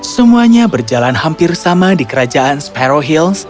semuanya berjalan hampir sama di kerajaan sparoh hills